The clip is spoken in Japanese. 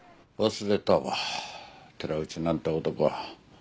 忘れたわ寺内なんて男は。